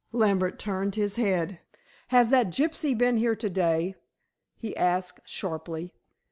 Lambert turned his head. "Has that gypsy been here to day?" he asked sharply.